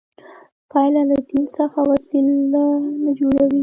باید له دین څخه وسله نه جوړوي